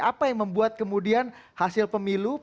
apa yang membuat kemudian hasil pemilu